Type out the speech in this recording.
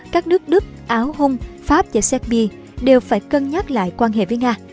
các nước đức áo hung pháp và serbia đều phải cân nhắc lại quan hệ với nga